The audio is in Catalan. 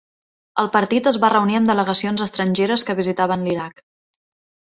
El partit es va reunir amb delegacions estrangeres que visitaven l'Iraq.